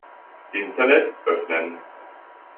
Internet öffnen.